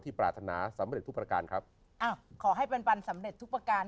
ปรารถนาสำเร็จทุกประการครับอ้าวขอให้ปันปันสำเร็จทุกประการ